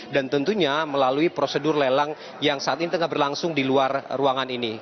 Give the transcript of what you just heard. dan tentunya melalui prosedur lelang yang saat ini tengah berlangsung di luar ruangan ini